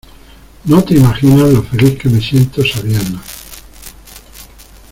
no te imaginas lo feliz que me siento sabiendo